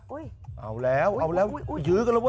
เอาแล้วเอาแล้วยื้อกันแล้วเว้